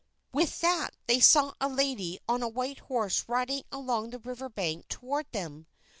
With that they saw a lady on a white horse riding along the river bank toward them.